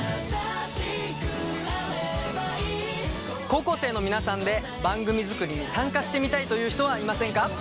高校生の皆さんで番組作りに参加してみたいという人はいませんか？